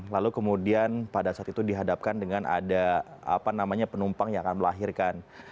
lalu kemudian pada saat itu dihadapkan dengan ada penumpang yang akan melahirkan